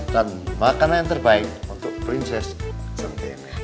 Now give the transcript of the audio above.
dan makanan yang terbaik untuk prinses sentini